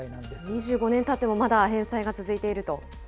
２５年たってもまだ返済が続いていると。